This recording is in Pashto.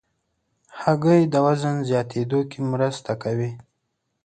هګۍ د وزن زیاتېدو کې مرسته کوي.